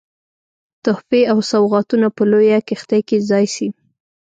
تحفې او سوغاتونه په لویه کښتۍ کې ځای سي.